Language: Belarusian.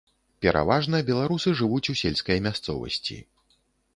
Пераважна беларусы жывуць у сельскай мясцовасці.